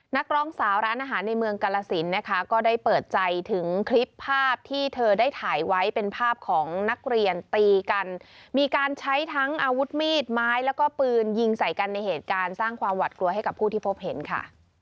นักร้องสาวร้านอาหารในเมืองกาลสินนะคะก็ได้เปิดใจถึงคลิปภาพที่เธอได้ถ่ายไว้เป็นภาพของนักเรียนตีกันมีการใช้ทั้งอาวุธมีดไม้แล้วก็ปืนยิงใส่กันในเหตุการณ์สร้างความหวัดกลัวให้กับผู้ที่พบเห็นค่ะ